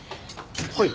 はい。